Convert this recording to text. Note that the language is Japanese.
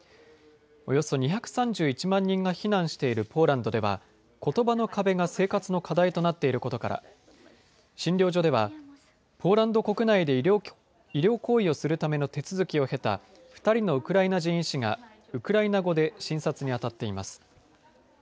およそ２３１万人が避難しているポーランドではことばの壁が生活の課題となっていることから診療所ではポーランド国内で医療行為をするための手続きを経た２人のウクライナ人医師がウクライナ語で診察にあたっています。